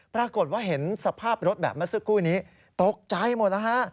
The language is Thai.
ปรากฏว่าเห็นสภาพรถแบบเมื่อสักครู่นี้ตกใจหมดแล้วฮะ